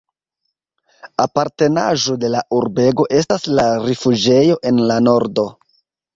Apartenaĵo de la urbego estas la rifuĝejo en la nordo.